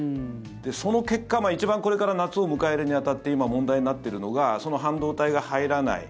その結果、一番これから夏を迎えるに当たって今、問題になっているのがその半導体が入らない。